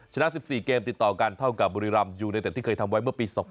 ชนะ๑๔เกมติดต่อกันเท่ากับบุรีรำยูเนเต็ดที่เคยทำไว้เมื่อปี๒๐